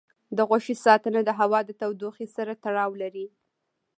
د غوښې ساتنه د هوا د تودوخې سره تړاو لري.